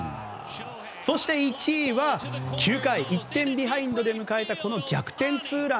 そして１位は９回１点ビハインドで迎えたこの逆転ツーラン。